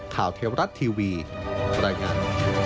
ข่าวเทวรัฐทีวีปรายงาน